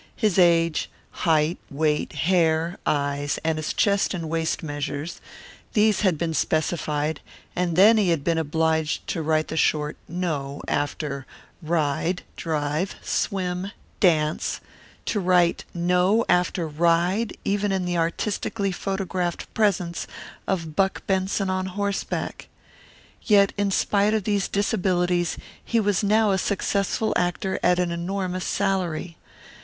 His age, height, weight, hair, eyes, and his chest and waist measures; these had been specified, and then he had been obliged to write the short "No" after ride, drive, swim, dance to write "No" after "Ride?" even in the artistically photographed presence of Buck Benson on horseback! Yet in spite of these disabilities he was now a successful actor at an enormous salary.